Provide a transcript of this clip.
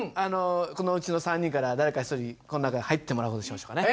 このうちの３人から誰か１人この中へ入ってもらう事にしましょうかね。